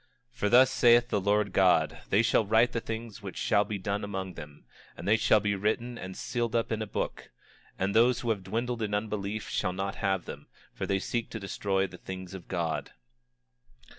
26:17 For thus saith the Lord God: They shall write the things which shall be done among them, and they shall be written and sealed up in a book, and those who have dwindled in unbelief shall not have them, for they seek to destroy the things of God.